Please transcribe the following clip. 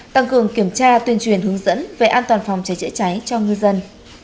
tăng cường kiểm tra tuyên truyền hướng dẫn về an toàn phòng cháy chữa cháy cho ngư dân